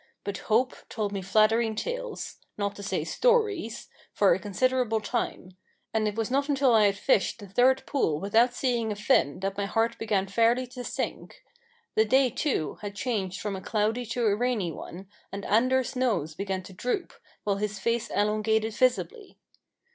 But Hope told me flattering tales not to say stories for a considerable time; and it was not until I had fished the third pool without seeing a fin that my heart began fairly to sink. The day, too, had changed from a cloudy to a rainy one, and Anders' nose began to droop, while his face elongated visibly.